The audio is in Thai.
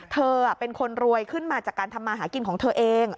เธอเป็นคนรวยขึ้นมาจากการทำมาหากินของเธอเอง